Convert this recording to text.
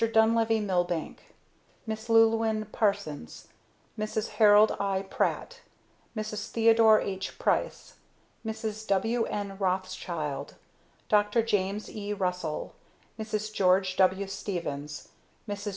DUNLEVY MILBANK MISS LLEWELLYN PARSONS MRS. HAROLD I. PRATT MRS. THEODORE H. PRICE MRS. W. N. ROTHSCHILD DR. JAMES E. RUSSELL MRS. GEORGE W. STEVENS MRS.